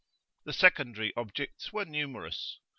The secondary objects were numerous.